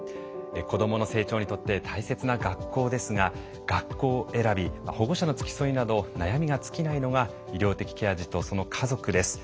子どもの成長にとって大切な学校ですが学校選び保護者の付き添いなど悩みが尽きないのが医療的ケア児とその家族です。